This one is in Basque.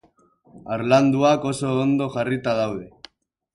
Harlanduak oso ondo jarrita daude.